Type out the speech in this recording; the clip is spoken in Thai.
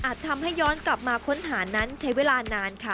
ทำให้ย้อนกลับมาค้นหานั้นใช้เวลานานค่ะ